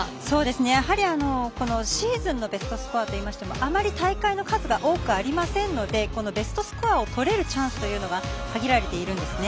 やはり、シーズンのベストスコアといいましてもあまり大会の数が多くありませんのでこのベストスコアを取れるチャンスというのが限られているんですね。